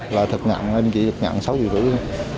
là thật nhận em chỉ nhận sáu triệu rưỡi thôi